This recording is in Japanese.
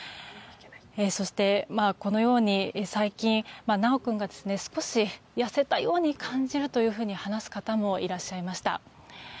そして、このように最近修君が少し痩せたように感じるというふうに話す方もいらっしゃいました。